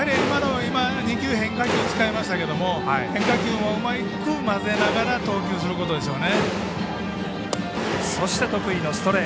２球、変化球を使いましたけど変化球もうまく混ぜながら投球することでしょうね。